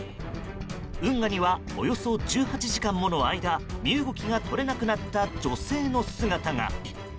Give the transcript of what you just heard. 運河には、およそ１８時間もの間身動きが取れなくなった女性の姿が。